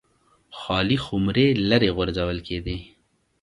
خالي خُمرې لرې غورځول کېدې